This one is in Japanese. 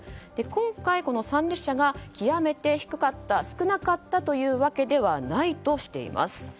今回この参列者が極めて低かった少なかったというわけではないとしています。